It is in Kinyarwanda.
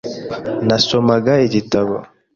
Nasomaga igitabo .